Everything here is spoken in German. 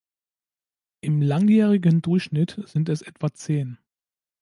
Im langjährigen Durchschnitt sind es etwa zehn.